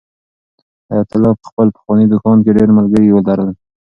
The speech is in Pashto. حیات الله په خپل پخواني دوکان کې ډېر ملګري لرل.